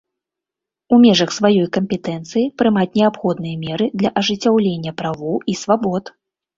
У межах сваёй кампетэнцыі прымаць неабходныя меры для ажыццяўлення правоў і свабод.